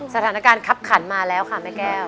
สถานการณ์คับขันมาแล้วค่ะแม่แก้ว